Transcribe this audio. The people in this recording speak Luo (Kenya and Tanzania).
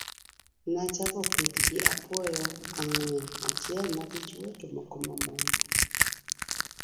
Nachako pith gi apuoyo ang'wen, achiel madichuo to moko mamon.